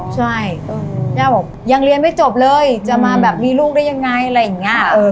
ใช่ย่าบอกยังเรียนไม่จบเลยจะมาแบบมีลูกได้ยังไงอะไรอย่างนี้